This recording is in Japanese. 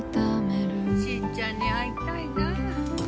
しぃちゃんに会いたいな。